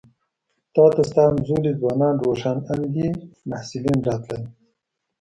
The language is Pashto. تا ته ستا همزولي ځوانان روښان اندي محصلین راتلل.